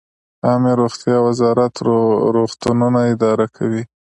عامې روغتیا وزارت روغتونونه اداره کوي